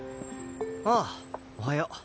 ああおはよう。